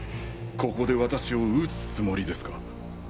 ここで私を撃つつもりですか？